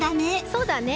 そうだね。